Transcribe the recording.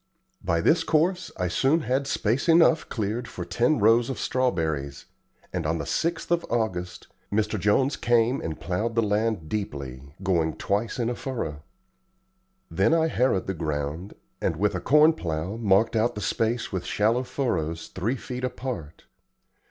By this course I soon had space enough cleared for ten rows of strawberries; and on the 6th of August Mr. Jones came and plowed the land deeply, going twice in a furrow. Then I harrowed the ground, and, with a corn plow, marked out the space with shallow furrows three feet apart.